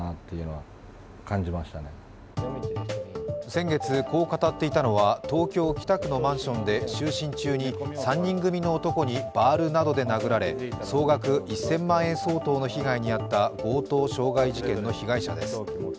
先月、こう語っていたのは東京・北区のマンションで就寝中に３人組の男にバールなどで殴られ、総額１０００万円相当の被害に遭った強盗傷害事件の被害者です。